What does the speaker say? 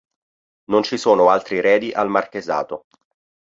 Non ci sono altri eredi al marchesato.